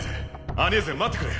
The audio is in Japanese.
アニェーゼ待ってくれ。